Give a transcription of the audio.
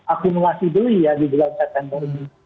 akumulasi beli ya di bulan september ini